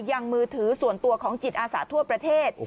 ยังมือถือส่วนตัวของจิตอาสาทั่วประเทศ